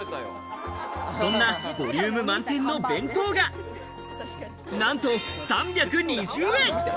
そんなボリューム満点の弁当がなんと３２０円。